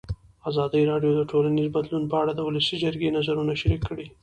ازادي راډیو د ټولنیز بدلون په اړه د ولسي جرګې نظرونه شریک کړي.